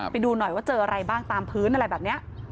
ไปดูหน่อยว่าเจออะไรบ้างตามพื้นอะไรแบบนี้